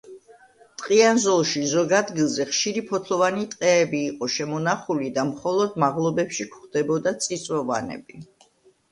ტყიან ზოლში, ზოგ ადგილზე ხშირი ფოთლოვანი ტყეები იყო შემონახული და მხოლოდ მაღლობებში გვხვდებოდა წიწვოვანები.